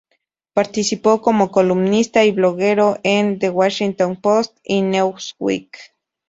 Participó como columnista y bloguero en "The Washington Post" y "Newsweek".